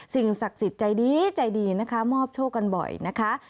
สิ่งศักดิ์สิทธิ์ใจดีมอบโชคกันบ่อยนะคะ